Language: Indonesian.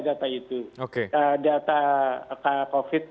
saya percaya data itu